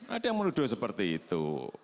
ada yang menuduh seperti itu